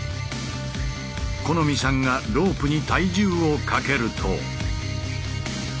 木実さんがロープに体重をかけると。